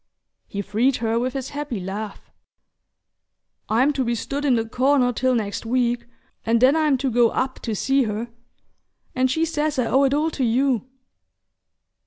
He freed her with his happy laugh. "I'm to be stood in the corner till next week, and then I'm to go up to see her. And she says I owe it all to you!"